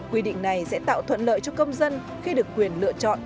quy định này sẽ tạo thuận lợi cho công dân khi được quyền lựa chọn